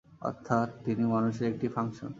অর্থাৎ তিনি মানুষের একটি ফাংশন।